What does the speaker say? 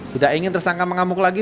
tidak ingin tersangka mengamuk lagi